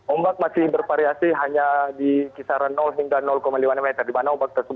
ombak masih bervariasi hanya di kisaran hingga lima mm